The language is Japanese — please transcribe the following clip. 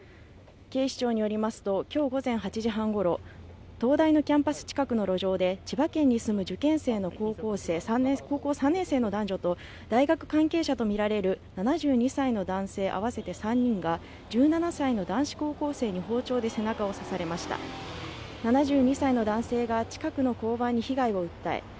警視庁によりますときょう午前８時半ごろ東大のキャンパス近くの路上で千葉県に住む受験生の高校３年生の男女と大学関係者と見られる７２歳の男性合わせて３人が１７歳の男子高校生に包丁で背中を刺されました７２歳の男性が近くの交番に被害を訴え